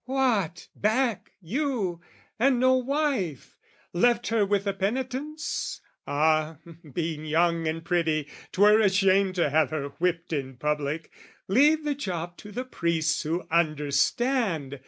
"What, back, you? "And no wife? Left her with the Penitents? "Ah, being young and pretty, 'twere a shame "To have her whipped in public: leave the job "To the priests who understand!